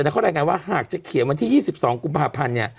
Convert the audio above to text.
เขาแนะนำว่าหากจะเขียนวันที่๒๒กลุ่มประพันธ์